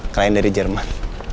klien dari jerman